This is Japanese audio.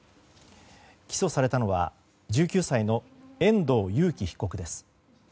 起訴されたのは１９歳の遠藤裕喜被告です。